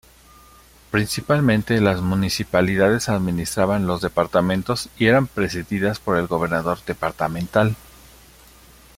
Principalmente, las municipalidades administraban los departamentos y eran presididas por el gobernador departamental.